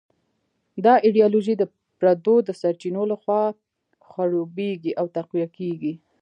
دا ایډیالوژي د پردو د سرچینو لخوا خړوبېږي او تقویه کېږي.